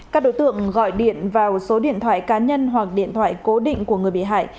các đối tượng gọi điện vào số điện thoại cá nhân hoặc điện thoại cố định của người bị hại